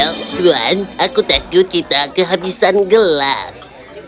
tuan aku takut kita kehabisan gelas